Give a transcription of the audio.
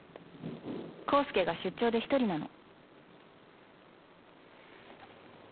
孝介が出張で１人なの。